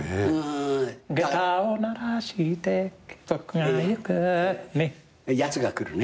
「下駄を鳴らして僕がゆく」「奴が来る」ね。